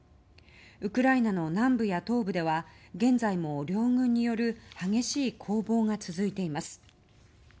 ウクライナの南部や東部では現在も両軍による激しい攻防が続いています。